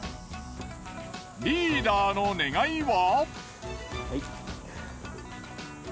リーダーの願いは？